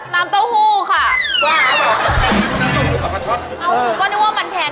อย่าเก่งจะไม่ได้เข้ากิน